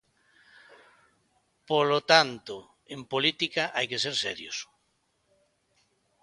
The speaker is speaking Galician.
Polo tanto, en política hai que ser serios.